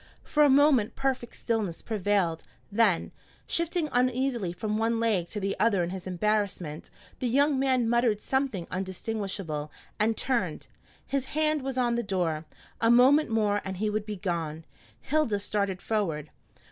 For a moment perfect stillness prevailed, then, shifting uneasily from one leg to the other in his embarrassment, the young man muttered something undistinguishable, and turned. His hand was on the door, a moment more and he would be gone. Hilda started forward.